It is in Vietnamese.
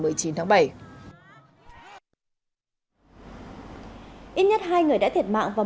ít nhất hai người đã thiệt mạng và một người đã bị bỏ phiếu